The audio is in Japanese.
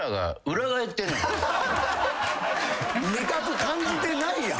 味覚感じてないやん。